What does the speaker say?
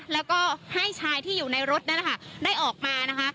แล้วก็ให้ชายที่อยู่ในรถได้ออกมานะคะ